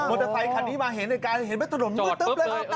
มอเตอร์ไซค์ขันนี้มาเห็นในการเห็นไปตะหนดมืดจอดปุ๊บเลย